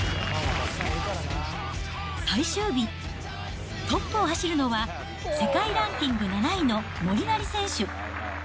最終日、トップを走るのは、世界ランキング７位のモリナリ選手。